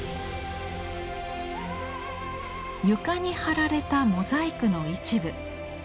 床に貼られたモザイクの一部。